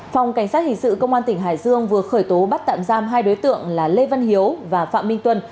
phòng cảnh sát hình sự công an tỉnh hải dương vừa khởi tố bắt tạm giam hai đối tượng là lê văn hiếu và phạm minh tuân